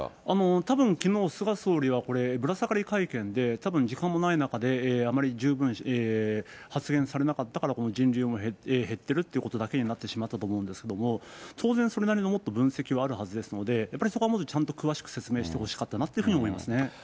たぶん、きのう、菅総理はこれ、ぶら下がり会見で、たぶん時間もない中で、あまり十分発言されなかったからこの人流も減ってるっていうことだけになってしまったと思うんですけれども、当然、それなりのもっと分析はあるはずですので、やっぱりそこは、もっとちゃんと説明してほしかったなっていうふうに思いますね。